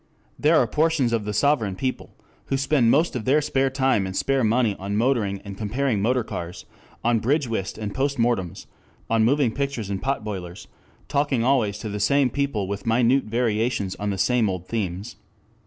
There are portions of the sovereign people who spend most of their spare time and spare money on motoring and comparing motor cars, on bridge whist and post mortems, on moving pictures and potboilers, talking always to the same people with minute variations on the same old themes.